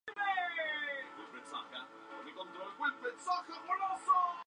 Muchas de sus composiciones son llamativas y llenas de vitalidad.